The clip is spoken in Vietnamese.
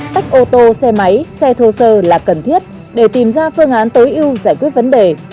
tách ô tô xe máy xe thô sơ là cần thiết để tìm ra phương án tối ưu giải quyết vấn đề